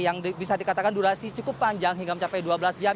yang bisa dikatakan durasi cukup panjang hingga mencapai dua belas jam